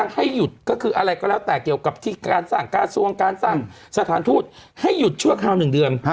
ก็คืออะไรก็แล้วแต่เกี่ยวกับที่การสร้างการทรวงการสร้างสถานทูชให้หยุดชั่วครั้งหนึ่งเดือน